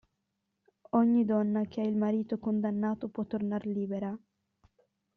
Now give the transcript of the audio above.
Ogni donna che ha il marito condannato può tornar libera.